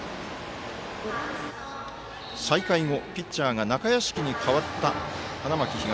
再開後、ピッチャーが中屋敷に代わった花巻東。